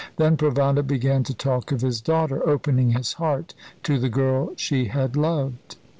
Then Provana began to talk of his daughter, opening his heart to the girl she had loved.